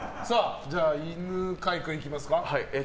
じゃあ、犬飼君いきますか。